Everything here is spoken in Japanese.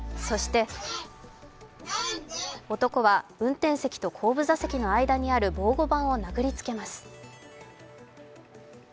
そして男は運転席と後部座席の間にある防護板を殴りつけます。